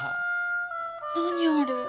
何あれ？